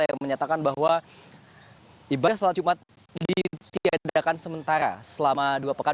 yang menyatakan bahwa ibadah sholat jumat ditiadakan sementara selama dua pekan